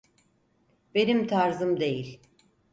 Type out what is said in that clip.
Benim tarzım değil.